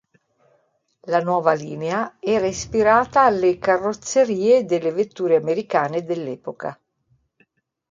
La nuova linea era ispirata alle carrozzerie delle vetture americane dell'epoca.